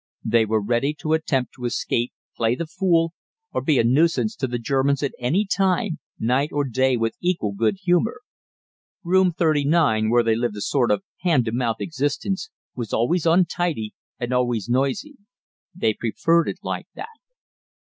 They were ready to attempt to escape, play the fool, or be a nuisance to the Germans at any time night or day with equal good humor. Room 39, where they lived a sort of hand to mouth existence, was always untidy and always noisy. They preferred it like that.